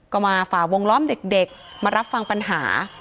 ก็มาฝ่าวงล้อมเด็กมารับฟังปัญหา